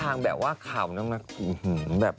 ไปอ้างไปนี่ก่อนไปไปยาย่าเพราะว่าข้างแบบว่าข่าวมันของมีแบบ